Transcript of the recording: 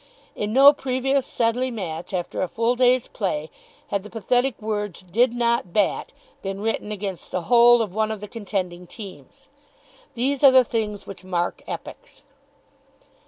In no previous Sedleigh match, after a full day's play, had the pathetic words "Did not bat" been written against the whole of one of the contending teams. These are the things which mark epochs.